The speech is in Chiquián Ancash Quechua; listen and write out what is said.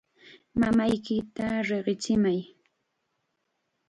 Mamayki riqichimay.